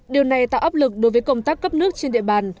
điều này tạo áp lực đối với công tác cấp nước trên địa bàn